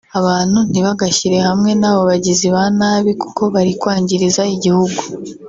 “Abantu ntibagashyire hamwe n’abo bagizi banabi kuko barikwangiriza igihugu